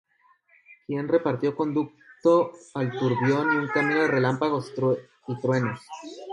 ¿Quién repartió conducto al turbión, Y camino á los relámpagos y truenos,